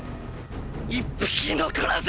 一匹残らず！